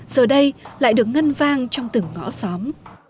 giờ đây lại được ngân vang trong từng ngõ xóm